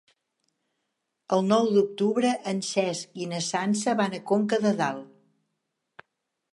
El nou d'octubre en Cesc i na Sança van a Conca de Dalt.